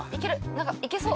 なんかいけそう！